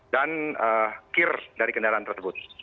dan kir dari kendaraan tersebut